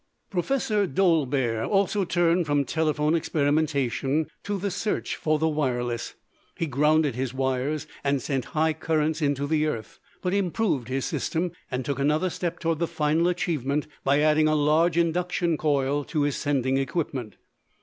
Professor Dolbear also turned from telephone experimentation to the search for the wireless. He grounded his wires and sent high currents into the earth, but improved his system and took another step toward the final achievement by adding a large induction coil to his sending equipment.